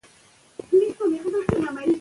ولس باید له پاچا سره وي.